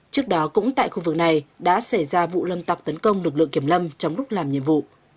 trước đó cũng tại khu vực này đã xảy ra vụ lâm tặc tấn công lực lượng kiểm lâm trong lúc làm nhiệm vụ